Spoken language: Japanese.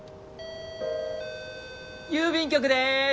郵便局です！